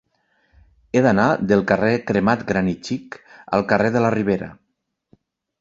He d'anar del carrer Cremat Gran i Xic al carrer de la Ribera.